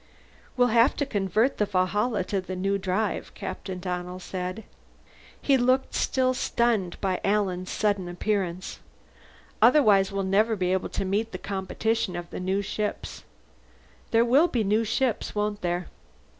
"We'll have to convert the Valhalla to the new drive," Captain Donnell said. He looked still stunned by Alan's sudden appearance. "Otherwise we'll never be able to meet the competition of the new ships. There will be new ships, won't there?"